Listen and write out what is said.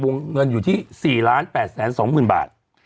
เงินอยู่ที่๔๘๒๐๐๐บาท